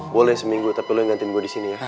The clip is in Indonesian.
boleh seminggu tapi lo yang gantiin gue disini ya